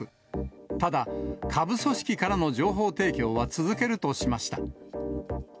ただ、下部組織からの情報提供は続けるとしました。